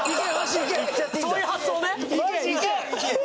そういう発想ね。